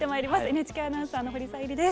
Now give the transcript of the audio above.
ＮＨＫアナウンサーの保里小百合です。